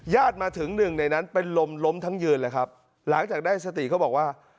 มาถึงหนึ่งในนั้นเป็นลมล้มทั้งยืนเลยครับหลังจากได้สติเขาบอกว่า